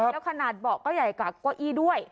แล้วขนาดเบาะก็ใหญ่กว่าเก้าอี้ด้วย